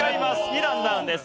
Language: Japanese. ２段ダウンです